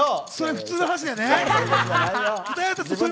普通の話だよね。